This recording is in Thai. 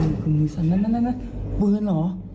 มือคือมือสันนั่นปืนเหรอ